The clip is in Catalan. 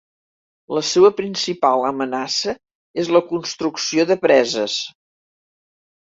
La seua principal amenaça és la construcció de preses.